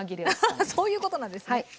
アハハッそういうことなんですね。